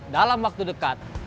dalam waktu dekat